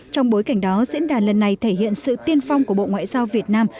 trong bối cảnh đó diễn đàn lần này thể hiện sự tiên phong của bộ ngoại giao việt nam